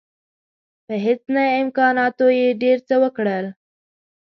په هیڅ نه امکاناتو یې ډېر څه وکړل.